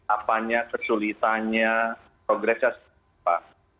apanya kesulitannya progresnya seperti apa